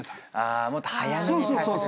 あもっと早めに対策。